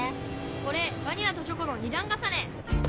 俺バニラとチョコの２段重ね！